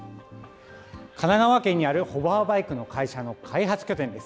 神奈川県にあるホバーバイクの会社の開発拠点です。